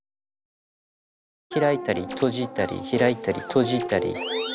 開いたり閉じたり開いたり閉じたり。